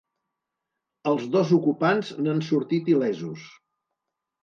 Els dos ocupants n'han sortit il·lesos.